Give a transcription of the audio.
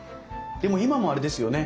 でも今もあれですよね